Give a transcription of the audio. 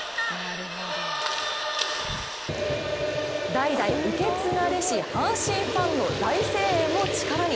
代々受け継がれし阪神ファンの大声援を力に。